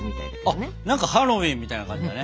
何かハロウィーンみたいな感じだね。